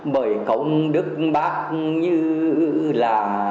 bởi công đức bác như là